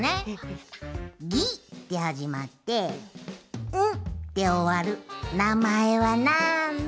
「ギ」ではじまって「ン」でおわるなまえはなんだ？